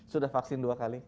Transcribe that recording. sudah vaksin dua kali